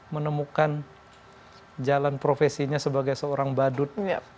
menemukan jalan profesinya sebagai seorang badut